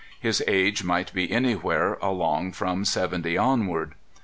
His age might be anywhere along from seventy onward.